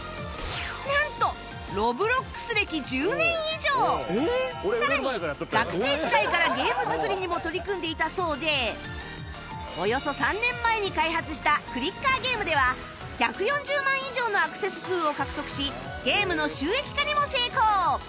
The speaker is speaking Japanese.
なんとさらに学生時代からゲーム作りにも取り組んでいたそうでおよそ３年前に開発したクリッカーゲームでは１４０万以上のアクセス数を獲得しゲームの収益化にも成功